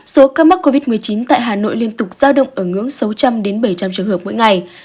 số ca mắc covid một mươi chín tại hà nội liên tục giao động ở ngưỡng sáu trăm linh bảy trăm linh trường hợp mỗi ngày